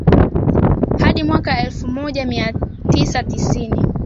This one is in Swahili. hadi mwaka elfu moja mia tisa tisini